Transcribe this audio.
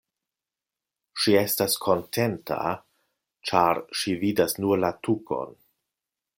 Ŝi estas kontenta, ĉar ŝi vidas nur la tukon.